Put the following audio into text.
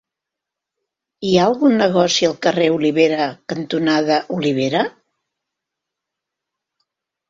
Hi ha algun negoci al carrer Olivera cantonada Olivera?